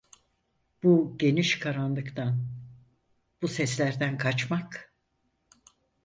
Bu geniş karanlıktan, bu seslerden kaçmak…